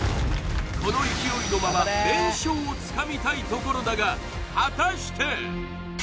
この勢いのまま連勝をつかみたいところだが果たして！？